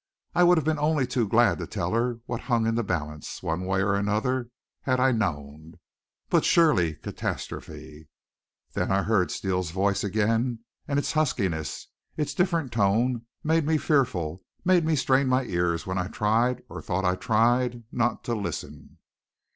I would have been only too glad to tell her what hung in the balance, one way or another, had I known. But surely, catastrophe! Then I heard Steele's voice again and its huskiness, its different tone, made me fearful, made me strain my ears when I tried, or thought I tried, not to listen.